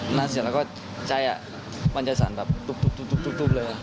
หน้าเสียแล้วก็ใจมันจะสั่นแบบตุ๊บเลย